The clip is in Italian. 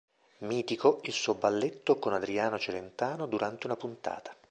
Mitico il suo balletto con Adriano Celentano durante una puntata.